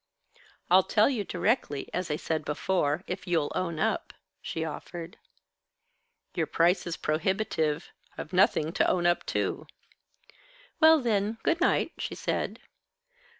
"I'll tell you directly, as I said before, if you'll own up," she offered. "Your price is prohibitive. I've nothing to own up to." "Well then good night," she said.